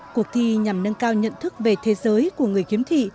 cuộc thi nhằm nâng cao nhận thức về thế giới của người khiếm thị